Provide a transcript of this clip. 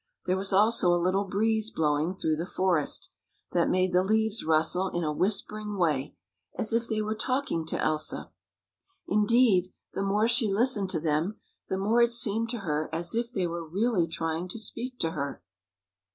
There was also a little breeze blowing through the forest, that made the leaves rustle in a whispering way, as if they were talking to Elsa. Indeed, the more she listened to them, the more it seemed to her as if they were really trying to speak to her.